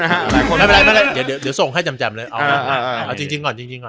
ไม่์เดี๋ยวส่งให้จำเลย